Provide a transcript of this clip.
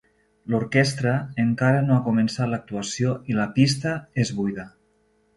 L'orquestra encara no ha començat l'actuació i la pista és buida.